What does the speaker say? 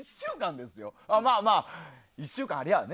でもまあ１週間ありゃね。